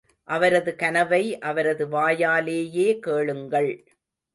அவரது கனவை அவரது வாயாலேயே கேளுங்கள்.